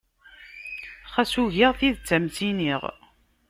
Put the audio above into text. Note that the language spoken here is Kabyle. Xas ugiɣ, tidet ad m-tt-iniɣ.